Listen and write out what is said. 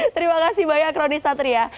terima kasih banyak roni satria